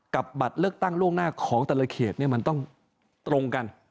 บัตรเลือกตั้งล่วงหน้าของแต่ละเขตมันต้องตรงกัน